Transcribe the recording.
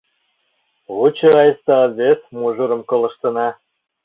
Лучо айста вес мужырым колыштына.